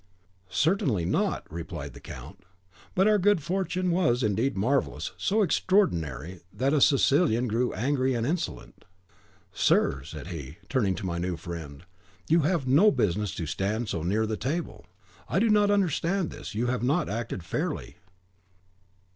"Certainly not," replied the count. "But our good fortune was, indeed, marvellous, so extraordinary that a Sicilian (the Sicilians are all ill bred, bad tempered fellows) grew angry and insolent. 'Sir,' said he, turning to my new friend, 'you have no business to stand so near to the table. I do not understand this; you have not acted fairly.